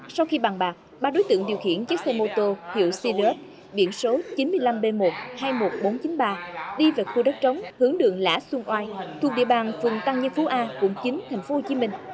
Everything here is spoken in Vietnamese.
sau khi bàn bạc ba đối tượng điều khiển chiếc xe mô tô hiệu silus biển số chín mươi năm b một hai mươi một nghìn bốn trăm chín mươi ba đi về khu đất trống hướng đường lã xuân oai thuộc địa bàn phường tăng nhân phú a quận chín tp hcm